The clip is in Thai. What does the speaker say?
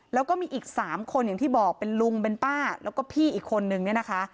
แล้วก็มีอีก๓คนอย่างที่บอกเป็นลุงเป็นป้าแล้วก็พี่อีกคนนึงเนี่ยนะคะ